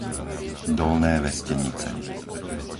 Dolné Vestenice